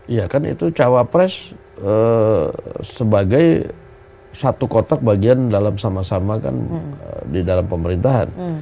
iya kan itu cawapres sebagai satu kotak bagian dalam sama sama kan di dalam pemerintahan